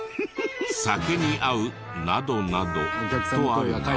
「酒に合う！などなど」とあるが。